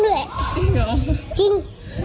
จริง